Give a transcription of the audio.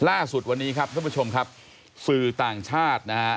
ล่าสุดวันนี้ครับท่านผู้ชมครับสื่อต่างชาตินะฮะ